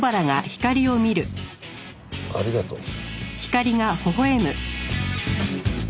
ありがとう。